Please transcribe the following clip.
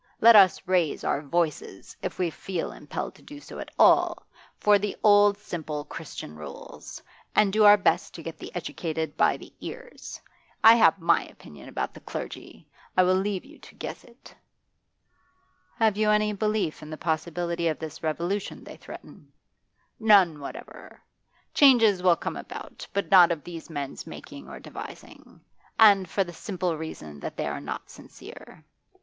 Let us raise our voices, if we feel impelled to do so at all, for the old simple Christian rules, and do our best to get the educated by the ears. I have my opinion about the clergy; I will leave you to guess it.' 'Have you any belief in the possibility of this revolution they threaten?' 'None whatever. Changes will come about, but not of these men's making or devising. And for the simple reason that they are not sincere.